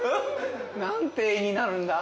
何て絵になるんだ。